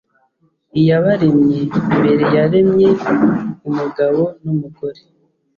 iyabaremye mbere yaremye umugabo n umugore